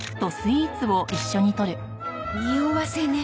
におわせね。